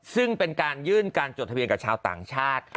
ซึ่งเป็นการยื่นการจดทะเบียนกับชาวต่างชาติ